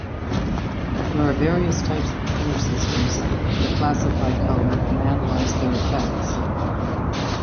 There are various types of color systems that classify color and analyse their effects.